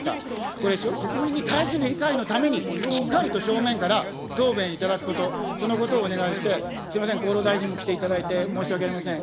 これ、国民に対する理解のためにしっかりと正面から答弁いただくこと、そのことをお願いして、すみません、厚労大臣も来ていただいて、申し訳ありません。